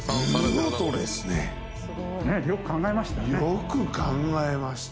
よく考えました。